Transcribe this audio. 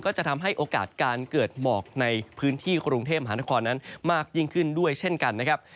จะทำให้โอกาสการเกิดหมอกในพื้นที่กรุงเทพหานครนั้นมากยิ่งขึ้นด้วยเช่นกันนะครับ